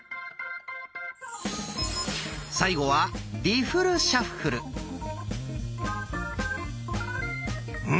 最後はうん。